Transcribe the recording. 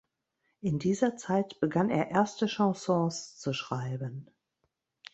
In dieser Zeit begann er erste Chansons zu schreiben.